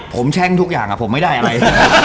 ผมแช่งทุกอย่างผมไม่ได้อะไร